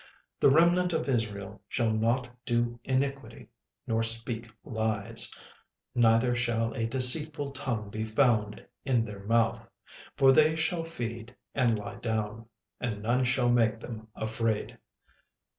36:003:013 The remnant of Israel shall not do iniquity, nor speak lies; neither shall a deceitful tongue be found in their mouth: for they shall feed and lie down, and none shall make them afraid.